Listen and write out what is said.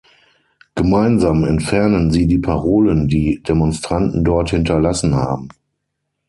Gemeinsam entfernen sie die Parolen, die Demonstranten dort hinterlassen haben.